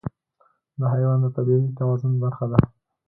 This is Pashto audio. دا حیوان د طبیعي توازن برخه ده.